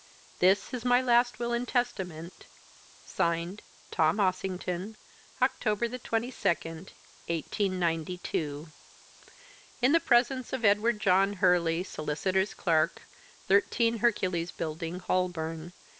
"This is my last will and testament. "(Signed) Thomas Ossington, "October the twenty second, 1892. "In the presence of Edward John Hurley, Solicitor's Clerk, 13, Hercules Buildings, Holborn.